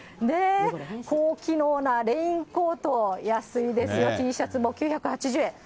高機能なレインコート、安いですよ、Ｔシャツも９８０円。